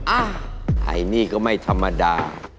ไอ้นี่ก็ไม่ธรรมดา